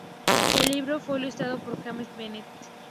El libro fue ilustrado por James Bennett.